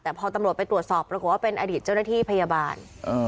แต่พอตำรวจไปตรวจสอบปรากฏว่าเป็นอดีตเจ้าหน้าที่พยาบาล